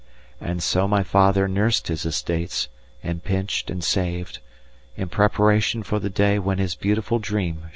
And so my father nursed his estates and pinched and saved, in preparation for the day when his beautiful dream should come true.